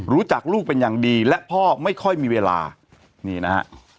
ลูกเป็นอย่างดีและพ่อไม่ค่อยมีเวลานี่นะฮะ